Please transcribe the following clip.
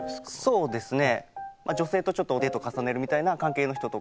そうですね。